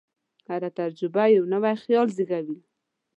هره تجربه یو نوی خیال زېږوي.